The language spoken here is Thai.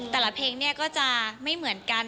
แต่ละเพลงเนี่ยก็จะไม่เหมือนกัน